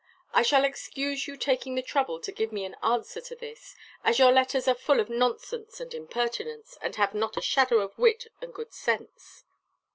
I shall excuse you taking the trouble to give me an answer to this, as your letters are full of nonsense and impertinence, and have not a shadow of wit and good sense.